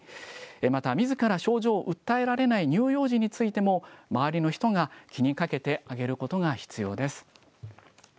また、みずから症状を訴えられない乳幼児についても、周りの人が気にかけてあげることが必要です。